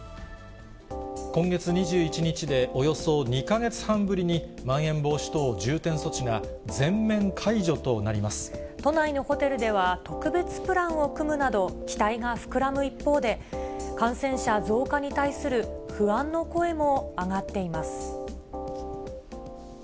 今月２１日でおよそ２か月半ぶりに、まん延防止等重点措置が、都内のホテルでは、特別プランを組むなど、期待が膨らむ一方で、感染者増加に対する不安の声も上がっています。